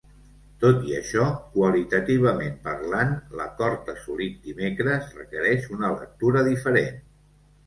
Tot i això, qualitativament parlant, l’acord assolit dimecres requereix una lectura diferent.